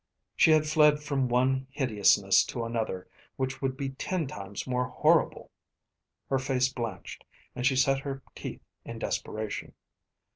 She had fled from one hideousness to another which would be ten times more horrible. Her face blanched and she set her teeth in desperation.